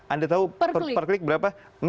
anda tahu per klik berapa